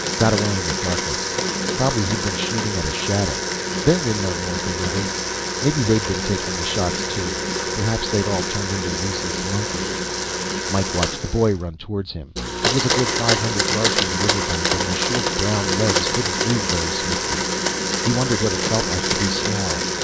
Got away in the darkness. Probably he'd been shooting at a shadow. There were no more gorillas maybe they had been taking the shots, too. Perhaps they'd all turned into rhesus monkeys. Mike watched the boy run towards him. It was a good five hundred yards from the river bank, and the short brown legs couldn't move very swiftly. He wondered what it felt like to be small.